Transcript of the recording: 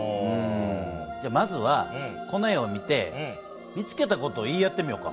まずはこの絵を見て見つけた事を言い合ってみようか。